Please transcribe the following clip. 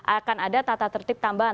akan ada tata tertib tambahan